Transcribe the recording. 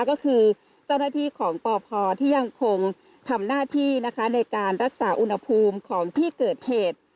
ก็คือเจ้าหน้าที่ของปพที่ยังคงทำหน้าที่นะคะในการรักษาอุณหภูมิของที่เกิดเหตุ